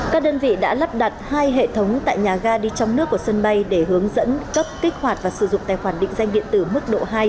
các đơn vị đã lắp đặt hai hệ thống tại nhà ga đi trong nước của sân bay để hướng dẫn cấp kích hoạt và sử dụng tài khoản định danh điện tử mức độ hai